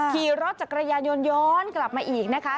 ขี่รถจักรยานยนต์ย้อนกลับมาอีกนะคะ